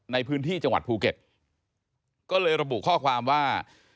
ในพื้นที่จังหวัดภูเก็ตก็เลยระบุข้อความว่า